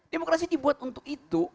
demokrasi dibuat untuk itu